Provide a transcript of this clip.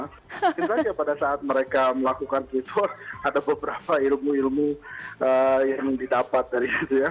tapi pada saat mereka melakukan tweet work ada beberapa ilmu ilmu yang didapat dari situ ya